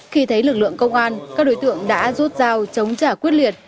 khi thấy lực lượng công an các đối tượng đã rốt rào chống trả quyết liệt